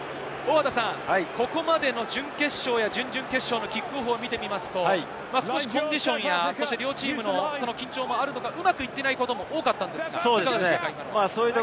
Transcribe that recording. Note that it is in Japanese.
ここまでの準決勝や準々決勝のキックオフを見てみると、コンディションや両チームの緊張もあるのか、うまくいっていないことも多かったのですが、いかがでしたか？